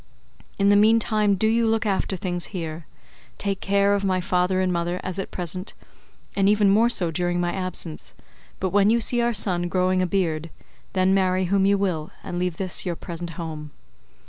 In the meantime do you look after things here. Take care of my father and mother as at present, and even more so during my absence, but when you see our son growing a beard, then marry whom you will, and leave this your present home.